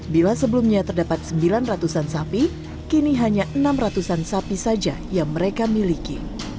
bila sebelumnya terdapat sembilan ratusan sapi kini hanya enam ratusan sapi saja yang mereka miliki